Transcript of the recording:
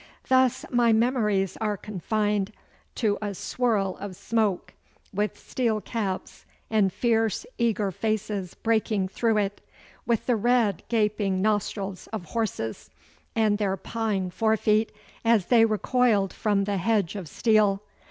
Thus my memories are confined to a swirl of smoke with steel caps and fierce, eager faces breaking through it, with the red gaping nostrils of horses and their pawing fore feet as they recoiled from the hedge of steel.